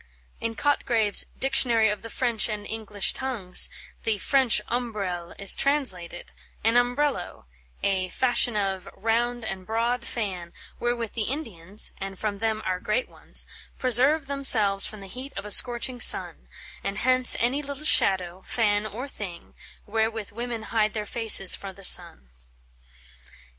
In Cotgrave's "Dictionary of the French and English Tongues," the French Ombrelle is translated, "An umbrello; a (fashion of) round and broad fanne, wherewith the Indians (and from them our great ones) preserve themselves from the heat of a scorching sunne; and hence any little shadow, fanne, or thing, wherewith women hide their faces fro the sunne."